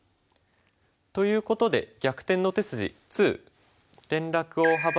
ということで「逆転の手筋２」。